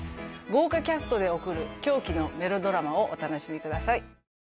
豪華キャストで送る狂気のメロドラマをお楽しみください